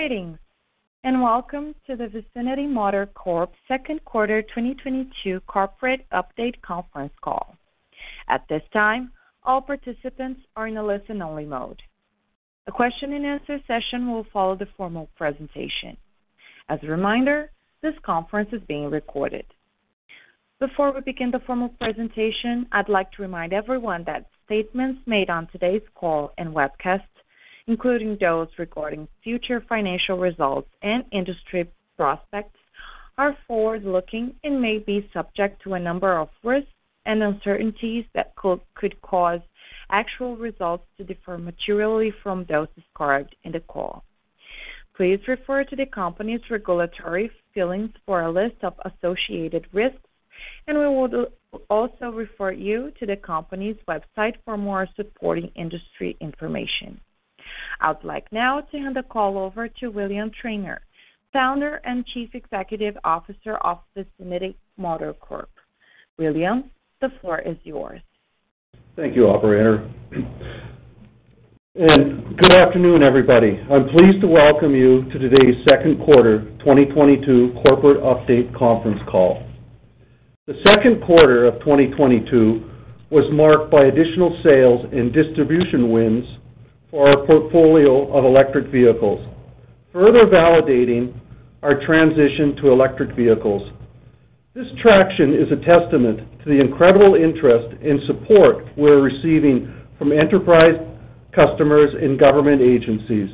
Greetings, and welcome to the Vicinity Motor Corp. Q2 2022 corporate update conference call. At this time, all participants are in a listen-only mode. The question and answer session will follow the formal presentation. As a reminder, this conference is being recorded. Before we begin the formal presentation, I'd like to remind everyone that statements made on today's call and webcast, including those regarding future financial results and industry prospects, are forward-looking and may be subject to a number of risks and uncertainties that could cause actual results to differ materially from those described in the call. Please refer to the company's regulatory filings for a list of associated risks, and we would also refer you to the company's website for more supporting industry information. I'd like now to hand the call over to William Trainer, Founder and Chief Executive Officer of Vicinity Motor Corp. William, the floor is yours. Thank you, operator. Good afternoon, everybody. I'm pleased to welcome you to today's Q2 2022 corporate update conference call. The Q2 of 2022 was marked by additional sales and distribution wins for our portfolio of electric vehicles, further validating our transition to electric vehicles. This traction is a testament to the incredible interest and support we're receiving from enterprise customers and government agencies.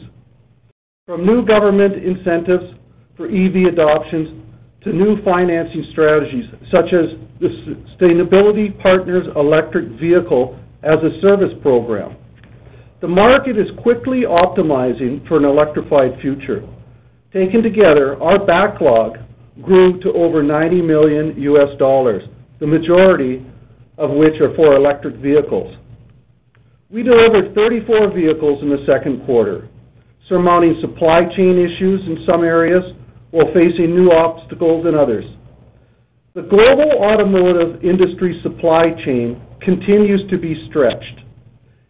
From new government incentives for EV adoptions to new financing strategies, such as the Sustainability Partners electric vehicle as a service program, the market is quickly optimizing for an electrified future. Taken together, our backlog grew to over $90 million, the majority of which are for electric vehicles. We delivered 34 vehicles in the Q2, surmounting supply chain issues in some areas while facing new obstacles than others. The global automotive industry supply chain continues to be stretched.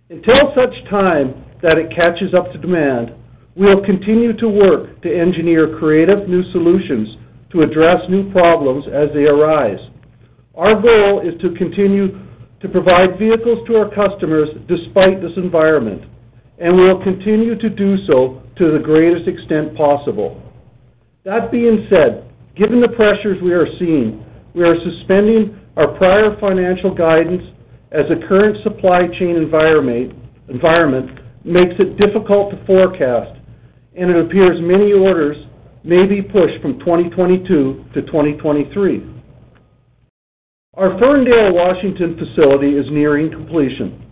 Until such time that it catches up to demand, we'll continue to work to engineer creative new solutions to address new problems as they arise. Our goal is to continue to provide vehicles to our customers despite this environment, and we'll continue to do so to the greatest extent possible. That being said, given the pressures we are seeing, we are suspending our prior financial guidance as the current supply chain environment makes it difficult to forecast, and it appears many orders may be pushed from 2022 to 2023. Our Ferndale, Washington facility is nearing completion,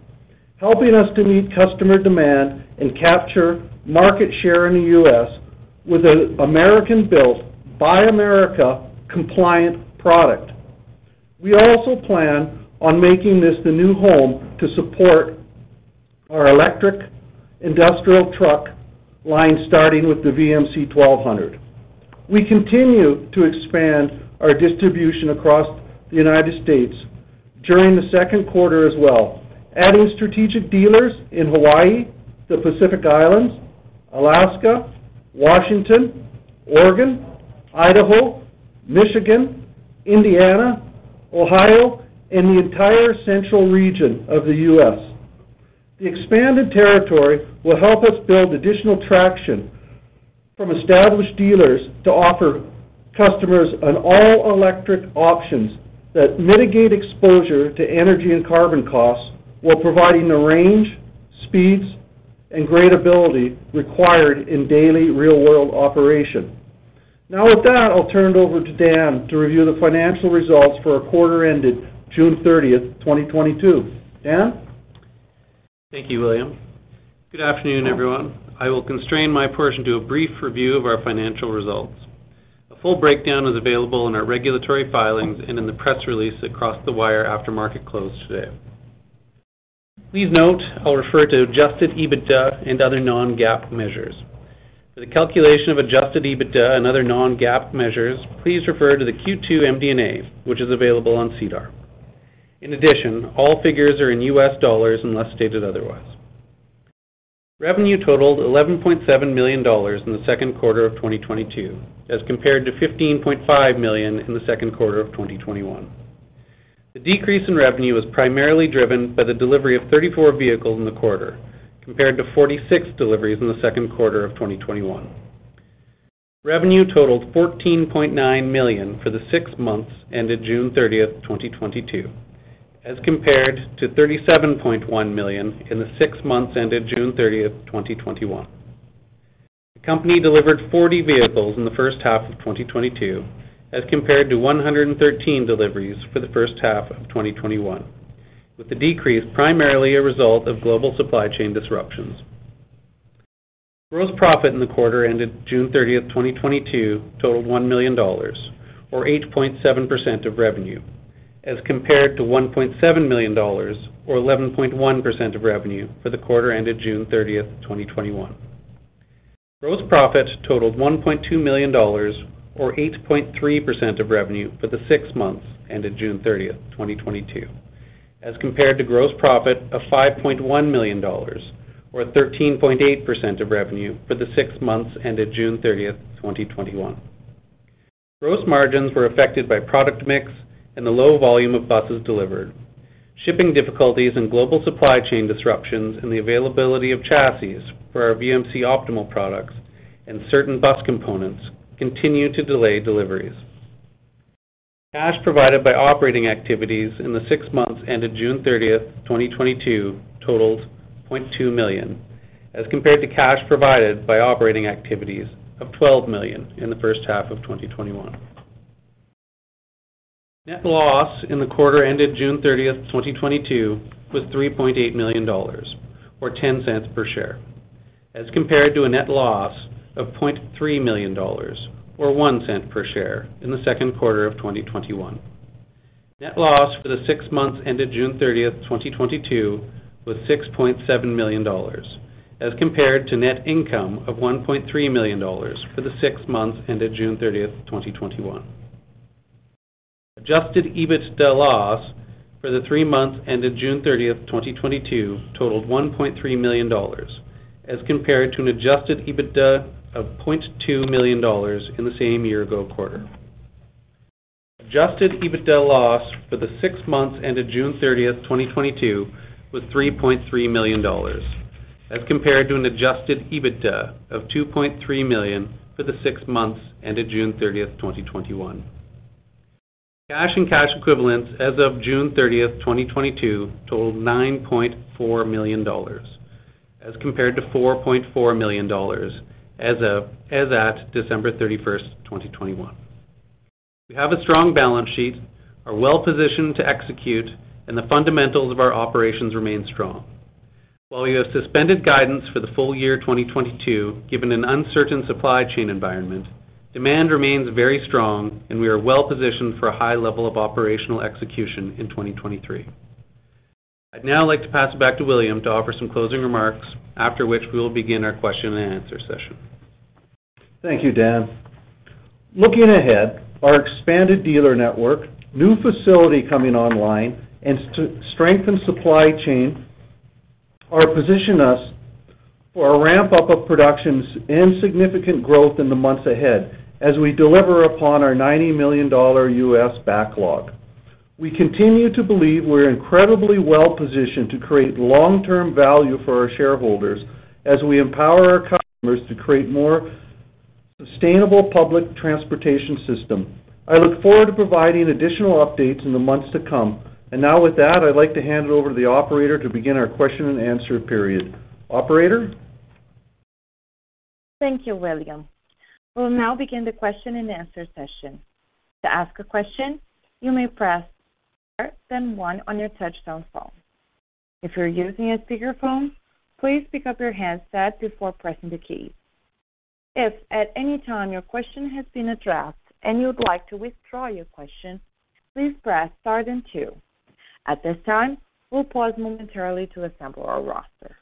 helping us to meet customer demand and capture market share in the U.S. with an American-built, Buy American Act-compliant product. We also plan on making this the new home to support our electric industrial truck line, starting with the VMC 1200. We continue to expand our distribution across the United States during the Q2 as well, adding strategic dealers in Hawaii, the Pacific Islands, Alaska, Washington, Oregon, Idaho, Michigan, Indiana, Ohio, and the entire central region of the U.S. The expanded territory will help us build additional traction from established dealers to offer customers an all-electric options that mitigate exposure to energy and carbon costs while providing the range, speeds, and gradeability required in daily real-world operation. Now with that, I'll turn it over to Dan to review the financial results for our quarter ended June 30, 2022. Dan? Thank you, William. Good afternoon, everyone. I will constrain my portion to a brief review of our financial results. A full breakdown is available in our regulatory filings and in the press release that crossed the wire after market close today. Please note, I'll refer to adjusted EBITDA and other non-GAAP measures. For the calculation of adjusted EBITDA and other non-GAAP measures, please refer to the Q2 MD&A, which is available on SEDAR. In addition, all figures are in US dollars unless stated otherwise. Revenue totaled $11.7 million in the Q2 of 2022 as compared to $15.5 million in the Q2 of 2021. The decrease in revenue was primarily driven by the delivery of 34 vehicles in the quarter compared to 46 deliveries in the Q2 of 2021. Revenue totaled $14.9 million for the six months ended June 30, 2022, as compared to $37.1 million in the six months ended June 30, 2021. The company delivered 40 vehicles in the first half of 2022 as compared to 113 deliveries for the first half of 2021, with the decrease primarily a result of global supply chain disruptions. Gross profit in the quarter ended June 30, 2022 totaled $1 million or 8.7% of revenue as compared to $1.7 million or 11.1% of revenue for the quarter ended June 30, 2021. Gross profit totaled $1.2 million or 8.3% of revenue for the six months ended June 30, 2022. As compared to gross profit of $5.1 million or 13.8% of revenue for the six months ended June 30, 2021. Gross margins were affected by product mix and the low volume of buses delivered. Shipping difficulties and global supply chain disruptions in the availability of chassis for our VMC Optimal products and certain bus components continue to delay deliveries. Cash provided by operating activities in the six months ended June 30, 2022 totaled $0.2 million, as compared to cash provided by operating activities of $12 million in the first half of 2021. Net loss in the quarter ended June 30, 2022 was $3.8 million or $0.10 per share, as compared to a net loss of $0.3 million or $0.01 per share in the Q2 of 2021. Net loss for the six months ended June 30, 2022 was $6.7 million, as compared to net income of $1.3 million for the six months ended June 30, 2021. Adjusted EBITDA loss for the three months ended June 30, 2022 totaled $1.3 million, as compared to an adjusted EBITDA of $0.2 million in the same year-ago quarter. Adjusted EBITDA loss for the six months ended June 30, 2022 was $3.3 million as compared to an adjusted EBITDA of $2.3 million for the six months ended June 30, 2021. Cash and cash equivalents as at December 31, 2021 totaled $9.4 million as compared to $4.4 million as of June 30, 2022. We have a strong balance sheet, are well positioned to execute, and the fundamentals of our operations remain strong. While we have suspended guidance for the full year 2022, given an uncertain supply chain environment, demand remains very strong, and we are well positioned for a high level of operational execution in 2023. I'd now like to pass it back to William to offer some closing remarks, after which we will begin our question and answer session. Thank you, Dan. Looking ahead, our expanded dealer network, new facility coming online, and strengthened supply chain are positioning us for a ramp-up of production and significant growth in the months ahead as we deliver upon our $90 million US backlog. We continue to believe we're incredibly well positioned to create long-term value for our shareholders as we empower our customers to create more sustainable public transportation system. I look forward to providing additional updates in the months to come. Now with that, I'd like to hand it over to the operator to begin our question and answer period. Operator? Thank you, William. We'll now begin the question and answer session. To ask a question, you may press star then one on your touch-tone phone. If you're using a speakerphone, please pick up your handset before pressing the key. If at any time your question has been addressed and you'd like to withdraw your question, please press star then two. At this time, we'll pause momentarily to assemble our roster.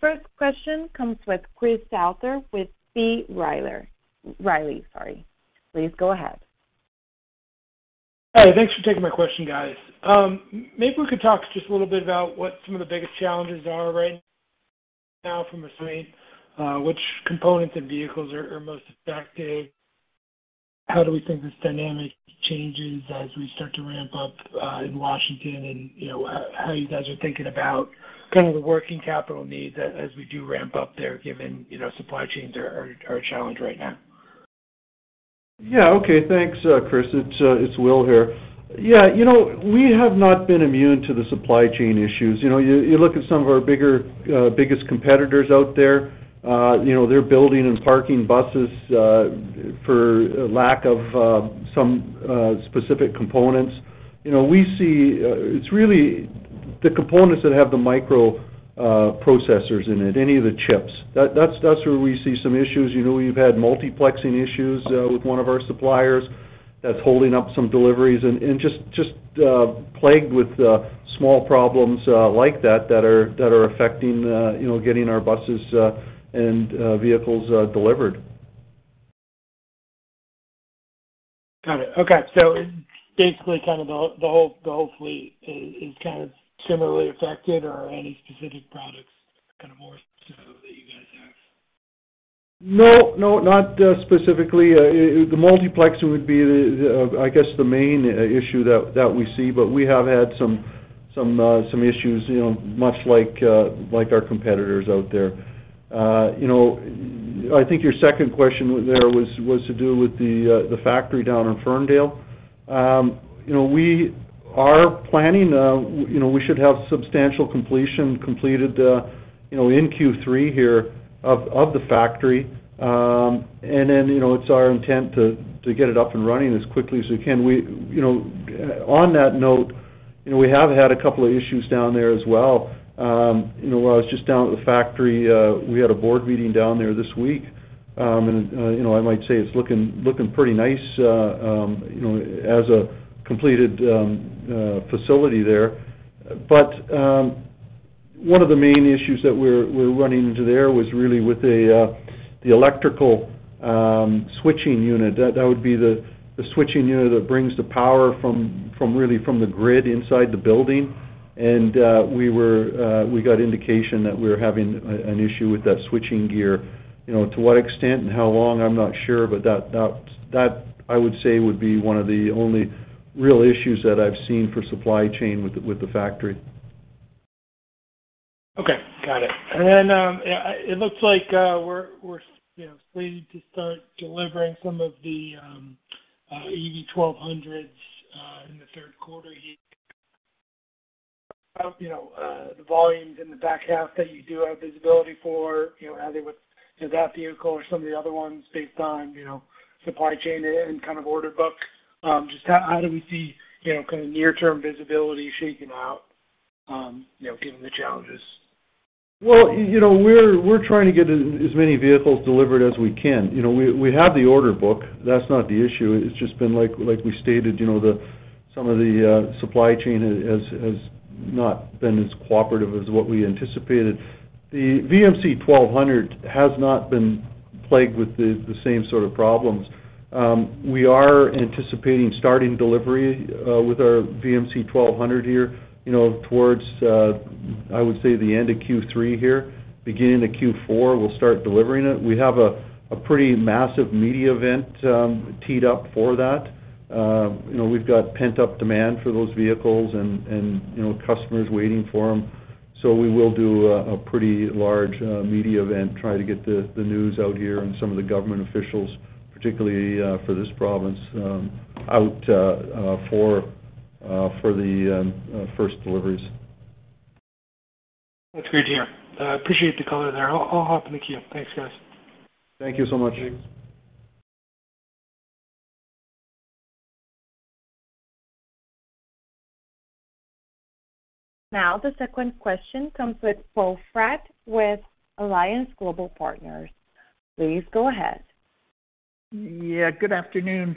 The first question comes with Christopher Souther with B. Riley Securities. Please go ahead. Hi. Thanks for taking my question, guys. Maybe we could talk just a little bit about what some of the biggest challenges are right now from the supply, which components and vehicles are most affected? How do we think this dynamic changes as we start to ramp up in Washington and, you know, how you guys are thinking about the working capital needs as we do ramp up there, given, you know, supply chains are challenged right now. Yeah. Okay. Thanks, Chris. It's Will here. Yeah. You know, we have not been immune to the supply chain issues. You know, you look at some of our biggest competitors out there, you know, they're building and parking buses for lack of some specific components. You know, we see. It's really the components that have the microprocessors in it, any of the chips. That's where we see some issues. You know, we've had multiplexing issues with one of our suppliers that's holding up some deliveries and just plagued with small problems like that that are affecting you know, getting our buses and vehicles delivered. Got it. Okay. Basically, the whole fleet is similarly affected or any specific products more so that you guys have? No, not specifically. The multiplex would be, I guess, the main issue that we see. We have had some issues, you know, much like our competitors out there. You know, I think your second question there was to do with the factory down in Ferndale. You know, we are planning, you know, we should have substantial completion completed, you know, in Q3 here of the factory. You know, it's our intent to get it up and running as quickly as we can. You know, on that note, you know, we have had a couple of issues down there as well. You know, I was just down at the factory, we had a board meeting down there this week. You know, I might say it's looking pretty nice as a completed facility there. One of the main issues that we're running into there was really with the electrical switchgear. That would be the switchgear that brings the power from the grid inside the building. We got indication that we were having an issue with that switchgear. You know, to what extent and how long, I'm not sure. That, I would say, would be one of the only real issues that I've seen for supply chain with the factory. Okay. Got it. It looks like we're slated to start delivering some of the VMC 1200s in the Q3 here. You know, the volumes in the back half that you do have visibility for, you know, how they would. Is that vehicle or some of the other ones based on supply chain and order book, just how do we see near-term visibility shaking out, you know, given the challenges? Well, you know, we're trying to get as many vehicles delivered as we can. You know, we have the order book. That's not the issue. It's just been like we stated, you know, some of the supply chain has not been as cooperative as what we anticipated. The VMC 1200 has not been plagued with the same problems. We are anticipating starting delivery with our VMC 1200 here, you know, towards I would say the end of Q3 here. Beginning of Q4, we'll start delivering it. We have a pretty massive media event teed up for that. You know, we've got pent-up demand for those vehicles and you know, customers waiting for them. We will do a pretty large media event, try to get the news out here and some of the government officials, particularly for this province, out for the first deliveries. That's great to hear. I appreciate the color there. I'll hop in the queue. Thanks, guys. Thank you so much. Thanks. Now the second question comes with Poe Fratt with Alliance Global Partners. Please go ahead. Yeah, good afternoon.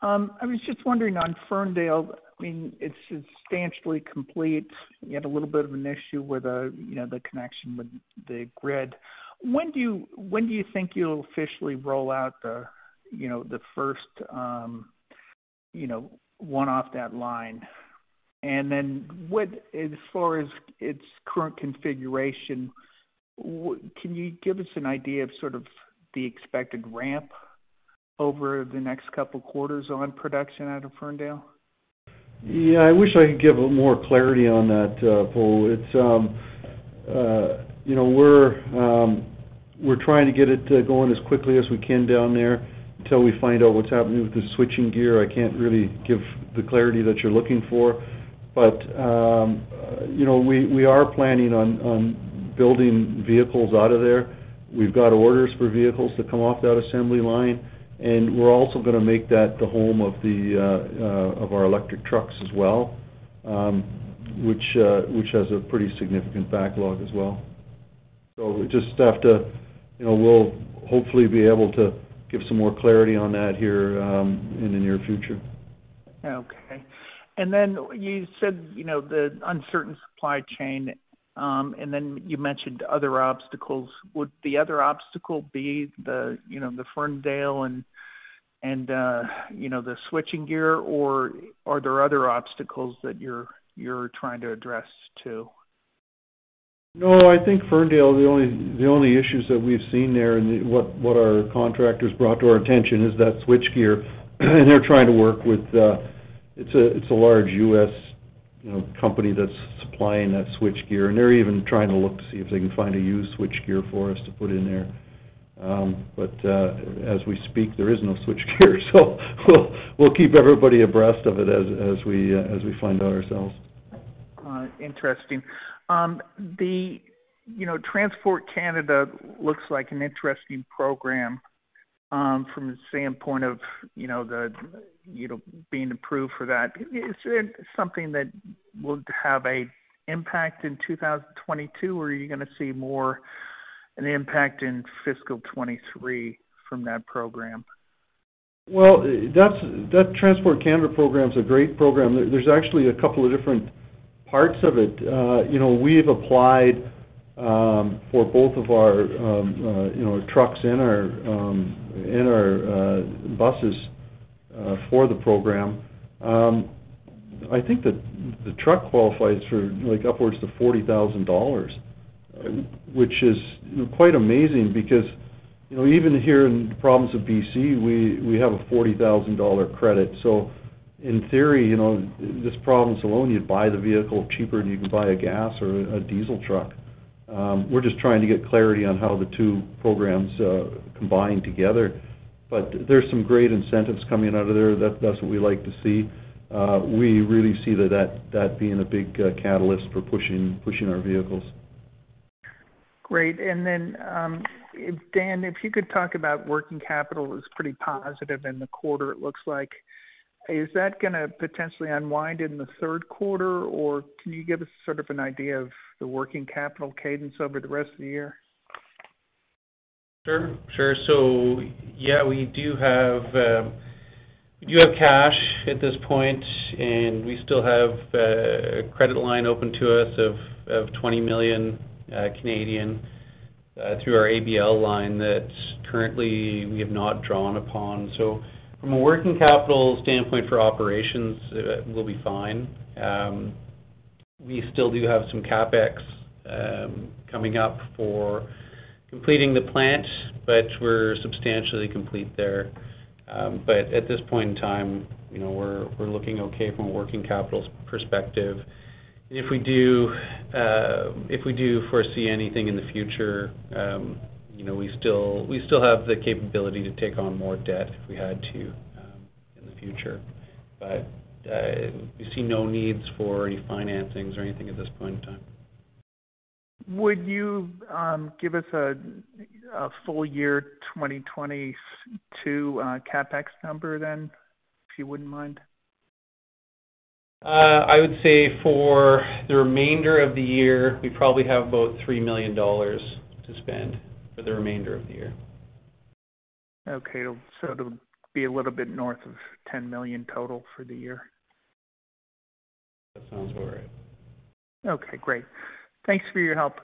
I was just wondering on Ferndale, I mean, it's substantially complete. You had a little bit of an issue with, you know, the connection with the grid. When do you think you'll officially roll out the, you know, the first one off that line? And then as far as its current configuration, can you give us an idea of the expected ramp over the next couple quarters on production out of Ferndale? Yeah. I wish I could give more clarity on that, Paul. It's you know, we're trying to get it going as quickly as we can down there until we find out what's happening with the switchgear. I can't really give the clarity that you're looking for. You know, we are planning on building vehicles out of there. We've got orders for vehicles to come off that assembly line, and we're also gonna make that the home of our electric trucks as well, which has a pretty significant backlog as well. We just have to. You know, we'll hopefully be able to give some more clarity on that here in the near future. Okay. You said, you know, the uncertain supply chain, and then you mentioned other obstacles. Would the other obstacle be the, you know, the Ferndale and you know, the switchgear, or are there other obstacles that you're trying to address too? No, I think Ferndale, the only issues that we've seen there and what our contractors brought to our attention is that switchgear. They're trying to work with. It's a large U.S., you know, company that's supplying that switchgear, and they're even trying to look to see if they can find a used switchgear for us to put in there. As we speak, there is no switchgear. We'll keep everybody abreast of it as we find out ourselves. Interesting. You know, Transport Canada looks like an interesting program, from the standpoint of, you know, the, you know, being approved for that. Is it something that will have an impact in 2022, or are you gonna see more an impact in fiscal 2023 from that program? That's Transport Canada program's a great program. There's actually a couple of different parts of it. You know, we've applied for both of our trucks and our buses for the program. I think that the truck qualifies for, like, upwards to $40000, which is, you know, quite amazing because, you know, even here in the province of BC, we have a $40000 credit. In theory, you know, this province alone, you'd buy the vehicle cheaper than you can buy a gas or a diesel truck. We're just trying to get clarity on how the two programs combine together. There's some great incentives coming out of there. That's what we like to see. We really see that being a big catalyst for pushing our vehicles. Great. If Dan, if you could talk about working capital is pretty positive in the quarter, it looks like. Is that gonna potentially unwind in the Q3, or can you give us of an idea of the working capital cadence over the rest of the year? Sure, sure. Yeah, we do have cash at this point, and we still have a credit line open to us of $20 million Canadian through our ABL line that currently we have not drawn upon. From a working capital standpoint for operations, we'll be fine. We still do have some CapEx coming up for completing the plant, but we're substantially complete there. At this point in time, you know, we're looking okay from a working capital's perspective. If we do foresee anything in the future, you know, we still have the capability to take on more debt if we had to in the future. We see no needs for any financings or anything at this point in time. Would you give us a full year 2022 CapEx number then, if you wouldn't mind? I would say for the remainder of the year, we probably have about $3 million to spend. Okay. It'll be a little bit north of $10 million total for the year. That sounds about right. Okay, great. Thanks for your help.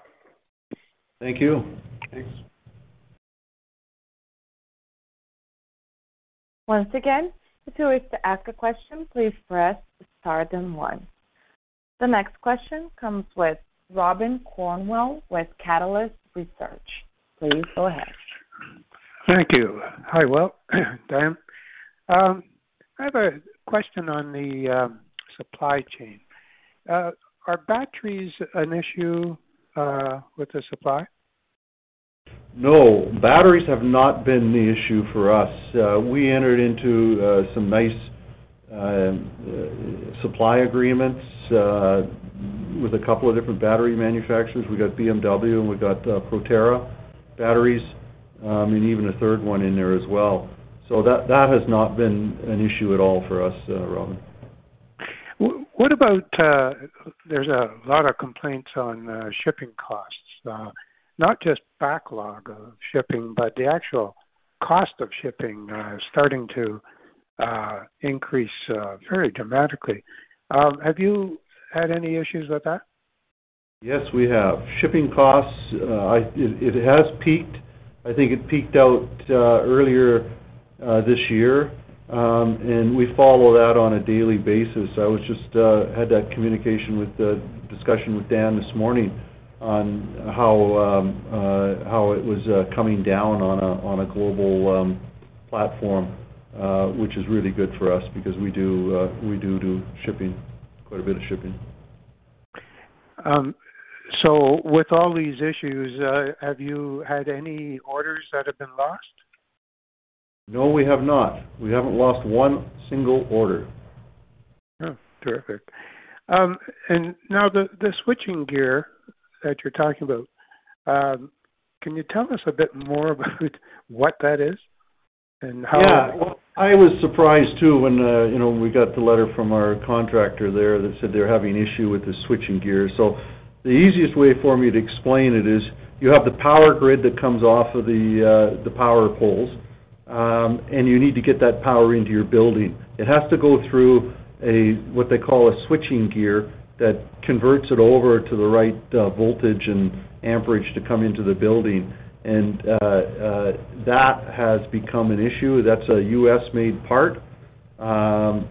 Thank you. Thanks. Once again, if you wish to ask a question, please press star then one. The next question comes with Robin Cornwell with Catalyst Research. Please go ahead. Thank you. Hi, Will, Dan. I have a question on the supply chain. Are batteries an issue with the supply? No. Batteries have not been the issue for us. We entered into some nice supply agreements with a couple of different battery manufacturers. We got BMW, and we got Proterra Batteries, and even a third one in there as well. That has not been an issue at all for us, Robin. What about, there's a lot of complaints on shipping costs. Not just backlog of shipping, but the actual cost of shipping starting to increase very dramatically. Have you had any issues with that? Yes, we have. Shipping costs, it has peaked. I think it peaked out earlier this year. We follow that on a daily basis. I was just discussion with Dan this morning on how it was coming down on a global platform, which is really good for us because we do shipping, quite a bit of shipping. With all these issues, have you had any orders that have been lost? No, we have not. We haven't lost one single order. Oh, terrific. Now the switchgear that you're talking about, can you tell us a bit more about what that is and how- Yeah. I was surprised too when you know when we got the letter from our contractor there that said they're having an issue with the switchgear. The easiest way for me to explain it is you have the power grid that comes off of the power poles, and you need to get that power into your building. It has to go through what they call a switchgear that converts it over to the right voltage and amperage to come into the building. That has become an issue. That's a U.S.-made part, and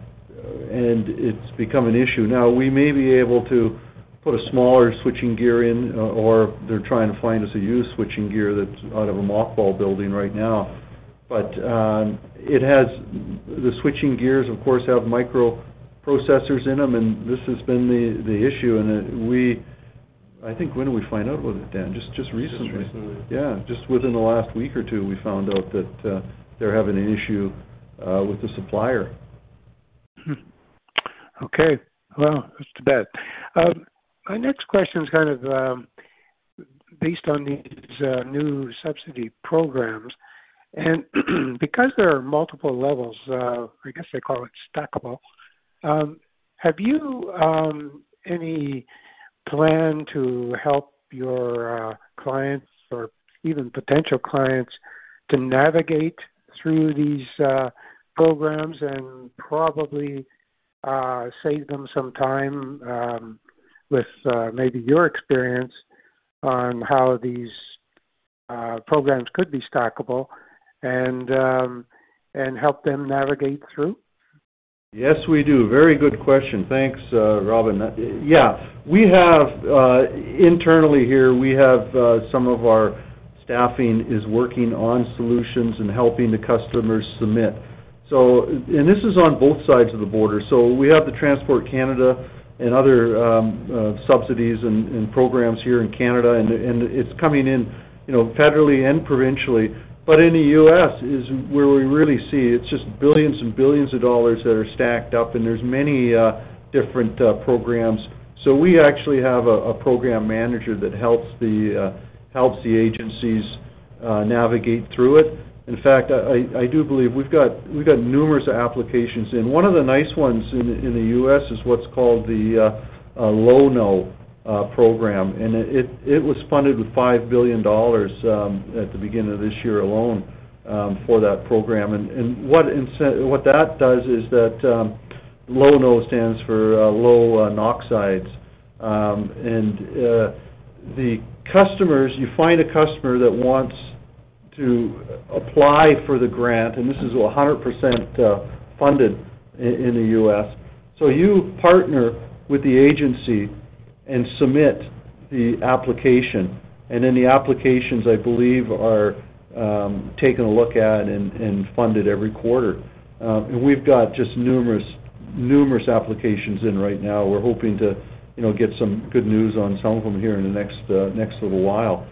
it's become an issue. Now, we may be able to put a smaller switchgear in, or they're trying to find us a used switchgear that's out of a mothball building right now. The switchgears, of course, have microprocessors in them, and this has been the issue. I think, when did we find out about it, Dan? Just recently. Just recently. Yeah. Just within the last week or two, we found out that they're having an issue with the supplier. Okay. Well, that's too bad. My next question is based on these new subsidy programs. Because there are multiple levels, I guess they call it stackable, have you any plan to help your clients or even potential clients to navigate through these programs and probably save them some time, with maybe your experience on how these programs could be stackable and help them navigate through? Yes, we do. Very good question. Thanks, Robin. Yeah, we have. Internally here, we have some of our staffing is working on solutions and helping the customers submit. This is on both sides of the border, so we have the Transport Canada and other subsidies and programs here in Canada, and it's coming in, you know, federally and provincially. In the U.S. is where we really see it. It's just billions and billions of dollars that are stacked up, and there's many different programs. We actually have a program manager that helps the agencies navigate through it. In fact, I do believe we've got numerous applications, and one of the nice ones in the U.S. is what's called the Low-No program. It was funded with $5 billion at the beginning of this year alone for that program. What that does is that Low-No stands for Low or No Emissions. The customers, you find a customer that wants to apply for the grant, and this is 100% funded in the US. You partner with the agency and submit the application, and then the applications, I believe, are taken a look at and funded every quarter. We've got just numerous applications in right now. We're hoping to, you know, get some good news on some of them here in the next little while.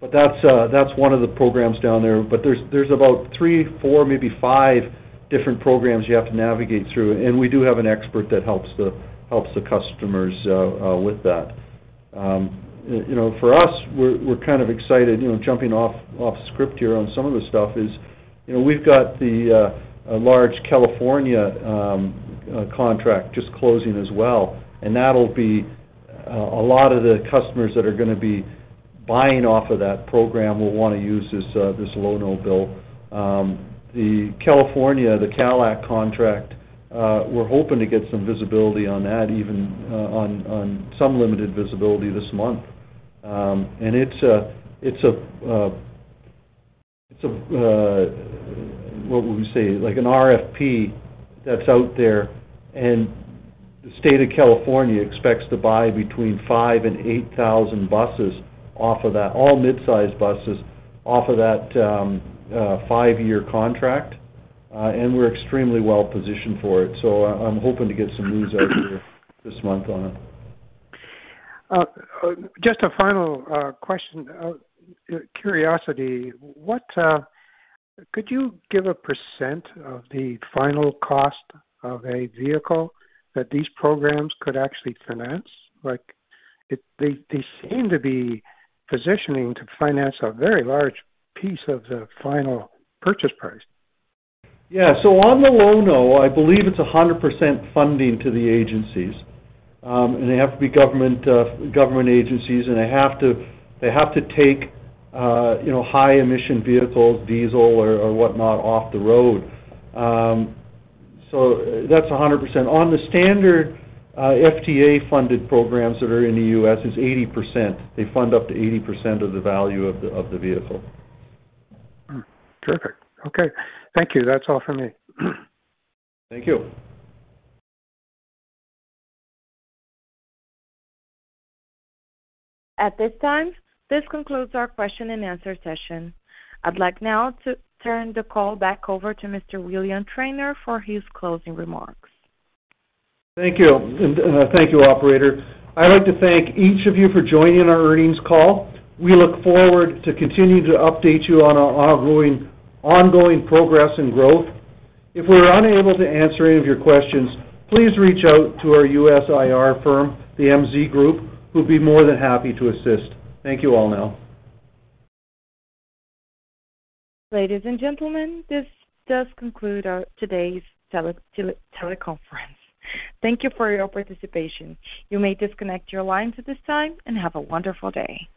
That's one of the programs down there. There's about 3, 4, maybe 5 different programs you have to navigate through. We do have an expert that helps the customers with that. You know, for us, we're excited. You know, jumping off script here on some of the stuff, you know, we've got the large California contract just closing as well. That'll be a lot of the customers that are gonna be buying off of that program will wanna use this Low-No bill. The California, the CALACT contract, we're hoping to get some visibility on that even on some limited visibility this month. It's a... What would we say? Like an RFP that's out there, and the state of California expects to buy between 5,000 and 8,000 buses off of that, all mid-sized buses, off of that, 5-year contract, and we're extremely well positioned for it. I'm hoping to get some news out there this month on it. Just a final question, curiosity. Could you give a percent of the final cost of a vehicle that these programs could actually finance? Like, they seem to be positioning to finance a very large piece of the final purchase price. Yeah. On the Low-No, I believe it's 100% funding to the agencies. They have to be government agencies, and they have to take you know, high-emission vehicles, diesel or whatnot off the road. That's 100%. On the standard FTA-funded programs that are in the U.S., it's 80%. They fund up to 80% of the value of the vehicle. Terrific. Okay. Thank you. That's all for me. Thank you. At this time, this concludes our question and answer session. I'd like now to turn the call back over to Mr. William Trainer for his closing remarks. Thank you. Thank you, operator. I'd like to thank each of you for joining our earnings call. We look forward to continuing to update you on our ongoing progress and growth. If we were unable to answer any of your questions, please reach out to our US IR firm, the MZ Group, who'll be more than happy to assist. Thank you all now. Ladies and gentlemen, this does conclude our today's teleconference. Thank you for your participation. You may disconnect your lines at this time, and have a wonderful day.